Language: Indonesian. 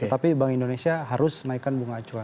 tetapi bank indonesia harus naikkan bunga acuan